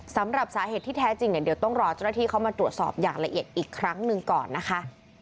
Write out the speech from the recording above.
สำหรับสาเหตุที่แท้จริงเนี่ยเดี๋ยวต้องรอเจ้าหน้าที่เข้ามาตรวจสอบอย่างละเอียดอีกครั้งหนึ่งก่อนนะคะ